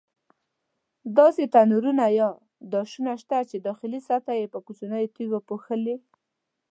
داسې تنورونه یا داشونه شته چې داخلي سطحه یې په کوچنیو تیږو پوښلې.